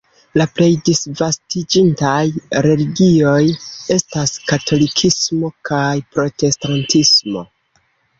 La plej disvastiĝintaj religioj estas katolikismo kaj protestantismo.